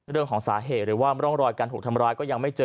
เรื่องของสาเหตุหรือว่าร่องรอยการถูกทำร้ายก็ยังไม่เจอ